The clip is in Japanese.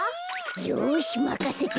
よしまかせて。